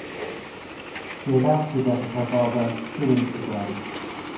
She announced the death of her father through Instagram.